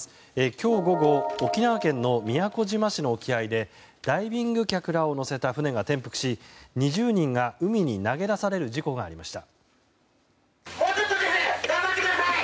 今日午後沖縄県の宮古島市の沖合でダイビング客らを乗せた船が転覆し２０人が海に投げ出される事故がありました。